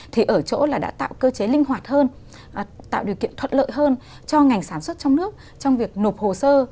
thì ở chỗ là đã tạo cơ chế linh hoạt hơn tạo điều kiện thuận lợi hơn cho ngành sản xuất trong nước trong việc nộp hồ sơ